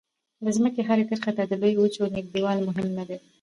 د ځمکې هرې کرښې ته د لویو وچو نږدېوالی مهم نه دی.